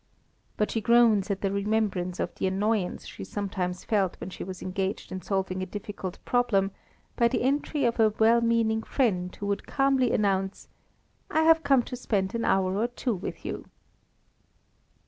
But she groans at the remembrance of the annoyance she sometimes felt when she was engaged in solving a difficult problem, by the entry of a well meaning friend, who would calmly announce, "I have come to spend an hour or two with you."